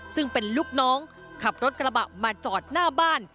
ซึ่งเป็นลูกน้องขับรถกระบะมาจอดหน้าบ้าน